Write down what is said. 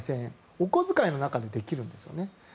お小遣いの中でできるんですね。